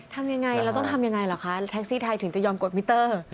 ทำยังไงเราต้องทำยังไงเหรอคะแท็กซี่ไทยถึงจะยอมกดมิเตอร์